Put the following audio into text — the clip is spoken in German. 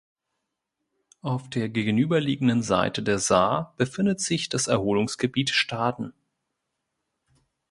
Auf der gegenüberliegenden Seite der Saar befindet sich das Erholungsgebiet Staden.